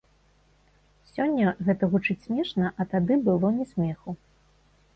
Сёння гэта гучыць смешна, а тады было не смеху.